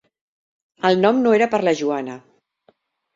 El nom no era per a la Joana.